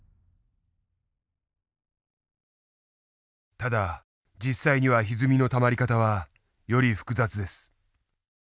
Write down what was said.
ただ実際にはひずみのたまり方はより複雑です。